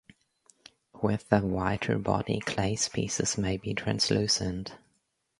With the whiter body clays pieces may be translucent.